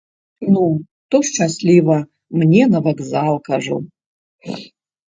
Ну, то шчасліва, мне на вакзал, кажу.